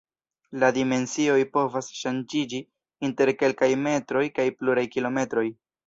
La dimensioj povas ŝanĝiĝi inter kelkaj metroj kaj pluraj kilometroj.